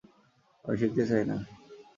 আমি শিখতে চাই না।